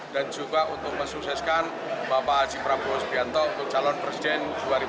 dan juga untuk mensukseskan bapak haji prabowo sbianto untuk calon presiden dua ribu dua puluh empat